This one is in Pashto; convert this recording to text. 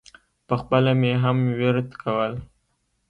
پخپله مې هم ورد کول.